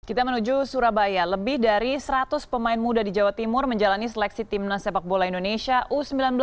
kita menuju surabaya lebih dari seratus pemain muda di jawa timur menjalani seleksi timnas sepak bola indonesia u sembilan belas